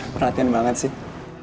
perhatian banget sih